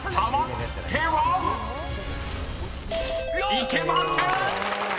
［いけません！